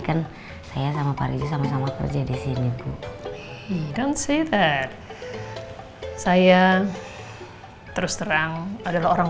kan saya sama pak rizie sama sama kerja di sini bu dan say that saya terus terang adalah orang